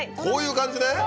こういう感じね。